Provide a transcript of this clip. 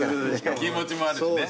気持ちもあるしね。